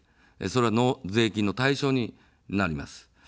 それは税金の対象になります。